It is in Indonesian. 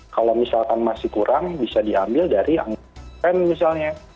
kalau misalkan masih kurang bisa diambil dari angin misalnya